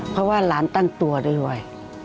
เพราะว่าหลานตั้งตัวด้วย